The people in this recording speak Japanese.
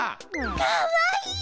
かわいい！